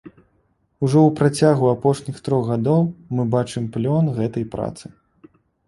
Ужо ў працягу апошніх трох гадоў мы бачым плён гэтай працы.